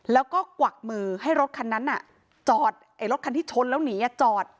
แล้วก็กวักมือให้รถคันนั้นจอดรถคันที่ชนแล้วหนีจอด